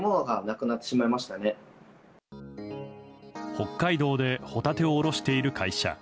北海道でホタテを卸している会社。